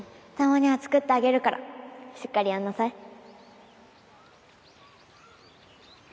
たまには作ってあげるからしっかりやんなさい